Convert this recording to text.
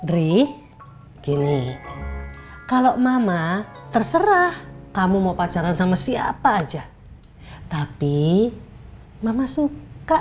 dri gini kalau mama terserah kamu mau pacaran sama siapa aja tapi mama suka